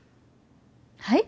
はい？